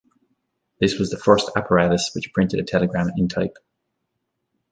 This was the first apparatus which printed a telegram in type.